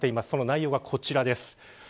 その内容がこちらです。